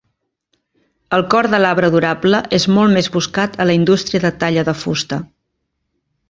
El cor de l'arbre durable és molt més buscat a la industria de talla de fusta.